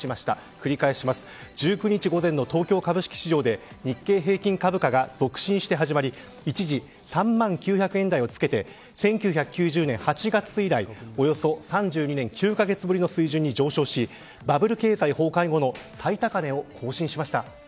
繰り返します、１９日午前の東京株式市場で日経平均株価が続伸して始まり一時３万９００円台を付けて１９９０年８月以来およそ３２年９カ月ぶりの水準に上昇しバブル経済崩壊後の最高値を更新しました。